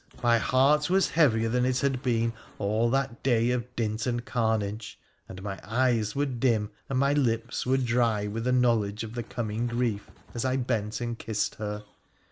My heart was heavier than it had been all that day of dint and carnage, and my eyes were dim and my lips were dry with a knowledge of the coming grief as I bent and kissed her.